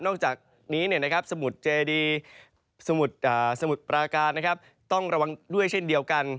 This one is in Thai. นอกจากนี้นะครับสมุดเจดีสมุดสมุดปราการนะครับต้องระวังด้วยเช่นเดียวกัน